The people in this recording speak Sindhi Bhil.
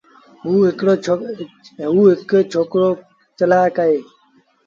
اُ هڪڙو چلآڪ ڇوڪرو اهي۔